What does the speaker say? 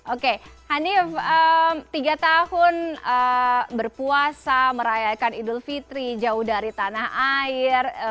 oke hanif tiga tahun berpuasa merayakan idul fitri jauh dari tanah air